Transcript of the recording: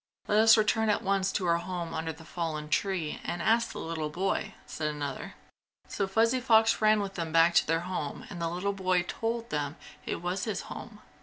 "Let us return at once to our home under the fallen tree and ask the little boy!" said another. So Fuzzy Fox ran with them back to their home and the little boy told them it was his home.